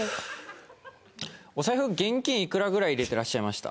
お財布現金いくらぐらい入れてらっしゃいました？